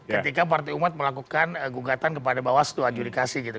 ketika partai umat melakukan gugatan kepada bawaslu adjudikasi gitu